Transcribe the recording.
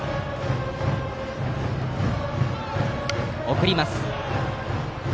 送ります。